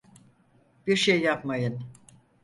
Bir şey yapmayın.